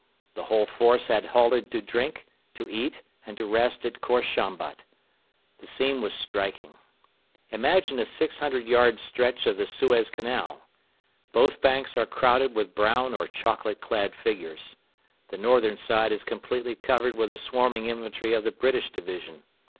The whole force had halted to drink, to eat, and to rest at Khor Shambat. The scene was striking. Imagine a six hundred yards stretch of the Suez Canal. Both banks are crowded with brown or chocolate clad figures. The northern side is completely covered with the swarming infantry of the British division.